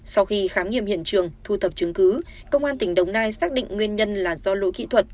sau khi khám nghiệm hiện trường thu thập chứng cứ công an tỉnh đồng nai xác định nguyên nhân là do lỗi kỹ thuật